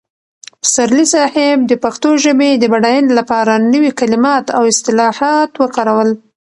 پسرلي صاحب د پښتو ژبې د بډاینې لپاره نوي کلمات او اصطلاحات وکارول.